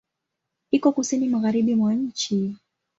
Iko Kusini magharibi mwa nchi.